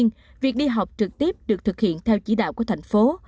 nhưng việc đi học trực tiếp được thực hiện theo chỉ đạo của thành phố